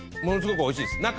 ものすごくおいしいです。